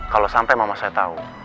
kalau sampai mama saya tahu